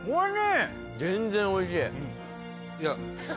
全然おいしい。